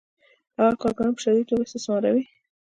هغه کارګران په شدیده توګه استثماروي